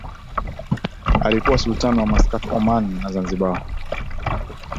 alikuwa Sultani wa Maskat Oman na Zanzibar